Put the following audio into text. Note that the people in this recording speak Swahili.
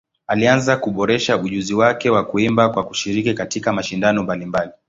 Alianza kuboresha ujuzi wake wa kuimba kwa kushiriki katika mashindano mbalimbali.